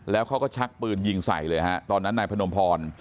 แล้วเขาก็ชักปืนยิงใส่เลยฮะตอนนั้นนายพนมพร